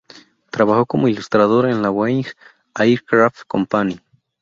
Trabajó como ilustrador en la Boeing "Aircraft Company".